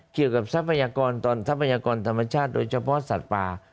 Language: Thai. เกี่ยวกับทรัพยากรทรัพยากรธรรมชาติโดยเฉพาะสัตว์ปลา